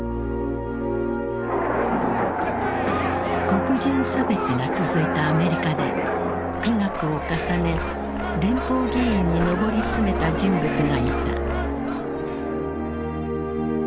黒人差別が続いたアメリカで苦学を重ね連邦議員に上り詰めた人物がいた。